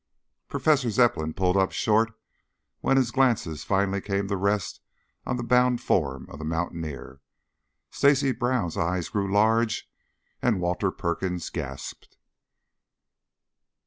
Professor Zepplin pulled up short when his glances finally came to rest on the bound form of the mountaineer; Stacy Brown's eyes grew large and Walter Perkins gasped.